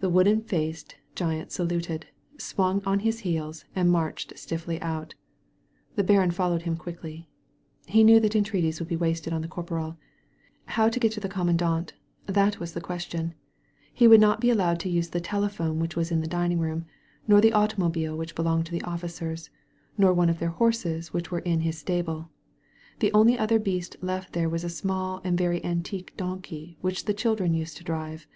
The wooden faced giant saluted, swung on his heels, and marched stiffly out. The baron followed him quickly. He knew that entreaties would be wasted on the corporal. How to get to the commandant, that was the question? He would not be allowed to use the telephone which was in the dining room, nor the automobile which belonged to the officers; nor one of their horses which were in his stable. The only other beast left there was a small and very antique donkey which the children used to drive.